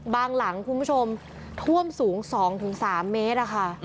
หลังคุณผู้ชมท่วมสูง๒๓เมตรอะค่ะ